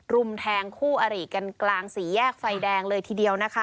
รุมแทงคู่อริกันกลางสี่แยกไฟแดงเลยทีเดียวนะคะ